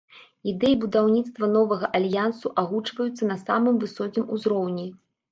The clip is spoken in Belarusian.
Ідэі будаўніцтва новага альянсу агучваюцца на самым высокім узроўні.